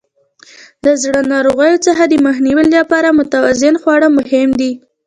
د زړه ناروغیو څخه د مخنیوي لپاره متوازن خواړه مهم دي.